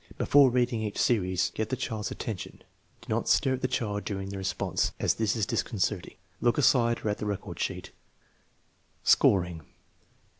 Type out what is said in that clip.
Before reading each series, get the child's attention. Do not stare at the child during the response, as this is disconcerting. Look aside or at the record sheet. Scoring.